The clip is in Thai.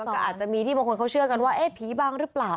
ก็อาจจะมีที่บางคนเขาเชื่อกันว่าเอ๊ะผีบังหรือเปล่า